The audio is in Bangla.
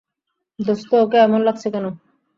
দোস্ত, ওকে এমন লাগছে কেন?